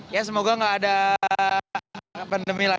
ya semoga nggak ada pandemi lah